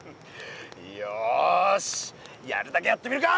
よしやるだけやってみるか！